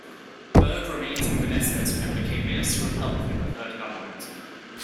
Burg remained in the Knesset and became minister of health in the third government.